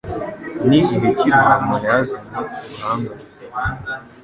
N' igihe cy' i Ruhama yazanye uruhanga rusa